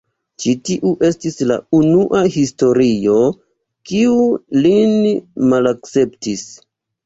Ĉi tiu estis la unua historio kiu lin malakceptis.